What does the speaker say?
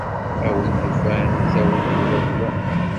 A win yufan, ad tawimt ula d wa.